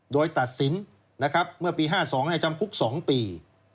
โดยตัดสินนะครับเมื่อปี๕๒ให้จำคุก๒ปี